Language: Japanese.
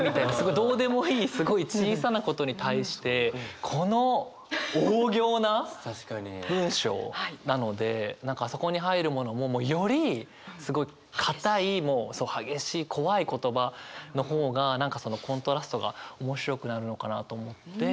どうでもいいすごい小さなことに対してこの大仰な文章なので何かそこに入るものもよりすごい硬いもう激しい怖い言葉の方が何かそのコントラストが面白くなるのかなと思って。